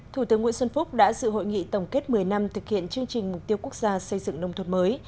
thủ tướng nguyễn xuân phúc đã dự hội nghị tổng kết một mươi năm thực hiện chương trình mục tiêu quốc gia xây dựng nông thuật mới